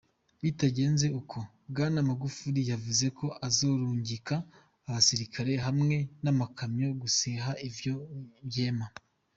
Bitagenze ukwo, Bwana Magufuli yavuze ko azorungika abasirikare hamwe n'amakamyo guseha ivyo vyema.